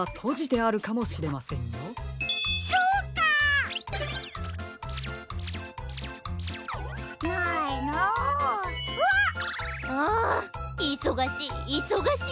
あいそがしいいそがしい。